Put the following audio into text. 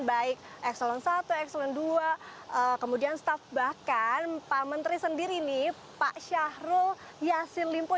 baik eselon satu eselon dua kemudian staff bahkan pak menteri sendiri nih pak syahrul yassin limpo